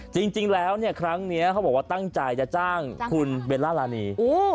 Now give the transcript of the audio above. จริงแล้วเนี่ยครั้งนี้เขาบอกว่าตั้งใจจะจ้างคุณเบลล่ารานี